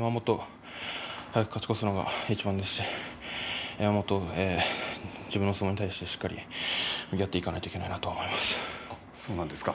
もっと早く勝ち越すのがいちばんですし、もっと自分も相撲に対してしっかり向き合っていかないとそうなんですか。